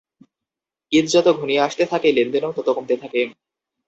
ঈদ যত ঘনিয়ে আসতে থাকে, লেনদেনও কমতে থাকে।